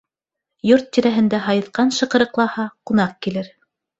Йорт тирәһендә һайыҫҡан шыҡырыҡлаһа, ҡунаҡ килер.